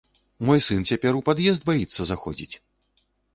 Мой сын цяпер у пад'езд баіцца заходзіць!